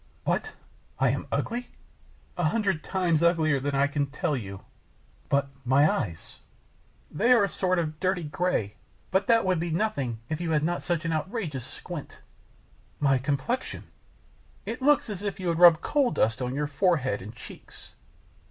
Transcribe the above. "What! am I ugly?" "A hundred times uglier than I can tell you." "But my eyes " "They are a sort of dirty gray; but that would be nothing if you had not such an outrageous squint!" "My complexion " "It looks as if you had rubbed coal dust on your forehead and cheeks."